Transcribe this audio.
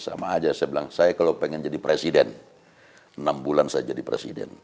sama aja saya bilang saya kalau pengen jadi presiden enam bulan saya jadi presiden